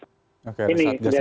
oke resat gas yang berjaga ya